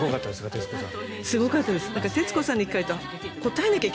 徹子さん。